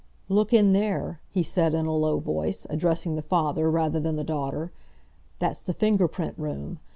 "Look in there," he said, in a low voice, addressing the father rather than the daughter, "that's the Finger Print Room.